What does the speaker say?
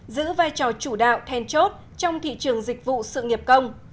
giữ vai trò chủ đạo then chốt trong thị trường dịch vụ sự nghiệp công